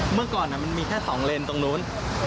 เมื่อก่อนมันมีแค่๒เลนตรงนู้น